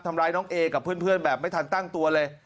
ทำร้ายน้องเอกับเพื่อนแบบไม่ทันตั้งตัวเลย